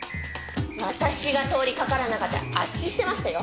私が通りかからなかったら圧死してましたよ。